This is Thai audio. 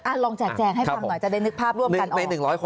ลองแจกแจงให้ฟังหน่อยจะได้นึกภาพร่วมกันออก